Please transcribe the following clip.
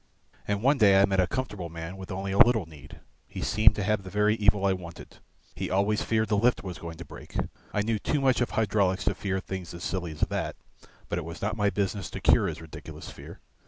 And one day I met a comfortable man with only a little need, he seemed to have the very evil I wanted. He always feared the lift was going to break. I knew too much of hydraulics to fear things as silly as that, but it was not my business to cure his ridiculous fear.